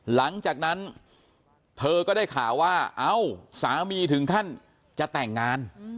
หลังจากนั้นเธอก็ได้ข่าวว่าเอ้าสามีถึงขั้นจะแต่งงาน